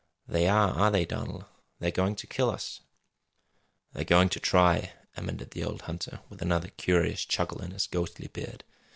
"They are, are they, Donald? They're going to kill us?" "They're goin' to try," amended the old hunter, with another curious chuckle in his ghostly beard.